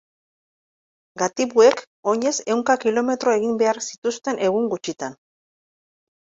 Gatibuek oinez ehunka kilometro egin behar zituzten egun gutxitan.